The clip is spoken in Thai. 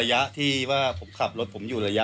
คิดผมแก่คิดที่อยู่แหละ